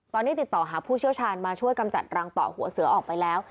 ตอนนี้ติดต่อหาผู้เชี่ยวชาญมาช่วยกำจัดรังต่อหัวเสือออกไปแล้ว